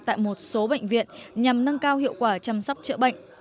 tại một số bệnh viện nhằm nâng cao hiệu quả chăm sóc chữa bệnh